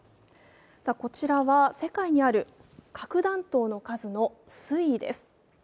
こちらは世界にある核弾頭の数の推移です。